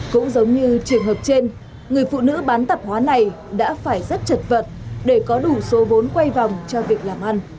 cũng giống như trường hợp trên người phụ nữ bán tạp hóa này đã phải rất chật vật để có đủ số vốn quay vòng cho việc làm ăn